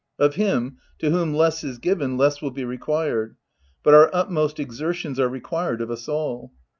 Of him, to whom less is given, less will be re quired ; but our utmost exertions are required of us all.